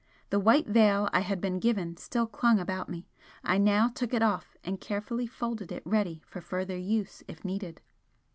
The white veil I had been given still clung about me, I now took it off and carefully folded it ready for further use if needed.